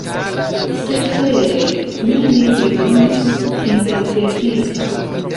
Cetere, mi ne bezonis interpretiston.